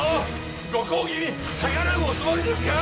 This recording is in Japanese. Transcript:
ご公儀に逆らうおつもりですか？